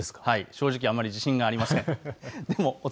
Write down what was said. あまり自信がありません。